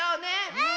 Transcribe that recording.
うん！